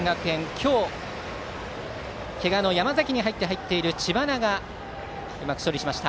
今日けがの山崎に代わって入った知花がうまく処理しました。